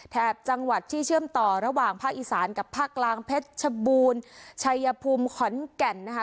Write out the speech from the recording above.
แถบจังหวัดที่เชื่อมต่อระหว่างภาคอีสานกับภาคกลางเพชรชบูรณ์ชัยภูมิขอนแก่นนะคะ